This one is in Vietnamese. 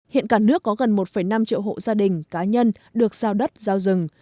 hiện cả nước có gần một năm triệu hộ gia đình cá nhân được giao đất giao rừng